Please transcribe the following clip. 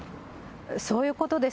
そういうことです。